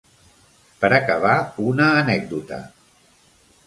Per acabar, una anècdota.